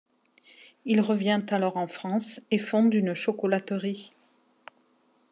Il revient alors en France et fonde une chocolaterie.